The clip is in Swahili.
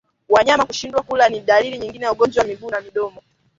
Wanyama kushindwa kula ni dalili nyingine ya ugonjwa wa miguu na midomo